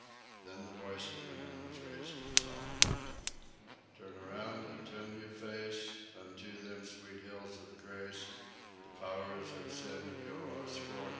Then the voice of the man was raised in song: "Tu'n around an' tu'n yo' face Untoe them sweet hills of grace (D' pow'rs of sin yo' am scornin'!).